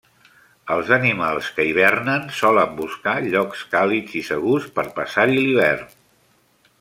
Els animals que hibernen solen buscar llocs càlids i segurs per passar-hi l'hivern.